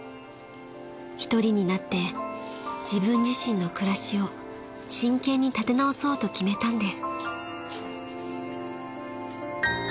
［一人になって自分自身の暮らしを真剣に立て直そうと決めたんです］